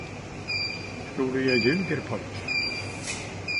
Tror du jag ljuger, pojk.